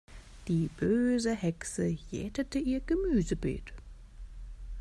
Die böse Hexe jätete ihr Gemüsebeet.